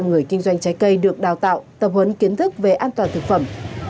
một trăm linh người kinh doanh trái cây được đào tạo tập huấn kiến thức về an toàn thực phẩm